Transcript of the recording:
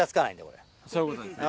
そういうことですね。